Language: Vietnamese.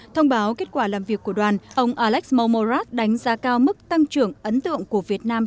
thông báo kết quả làm việc của đoàn ông alex momorat đánh giá cao mức tăng trưởng ấn tượng của việt nam